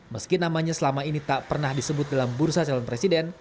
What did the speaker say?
meski namanya selama ini tak pernah disebut dalam bursa calon presiden